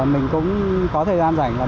mình cũng có thời gian rảnh và mình sẽ qua đây